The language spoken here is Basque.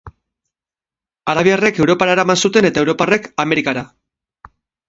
Arabiarrek Europara eraman zuten eta Europarrek Amerikara.